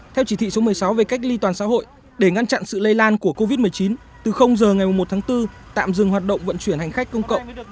theo chỉ thị số một mươi sáu về cách ly toàn xã hội để ngăn chặn sự lây lan của covid một mươi chín từ giờ ngày một tháng bốn tạm dừng hoạt động vận chuyển hành khách công cộng